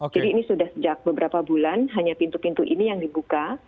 jadi ini sudah sejak beberapa bulan hanya pintu pintu ini yang dibuka